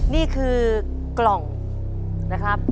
นี่คือกล่องนะครับ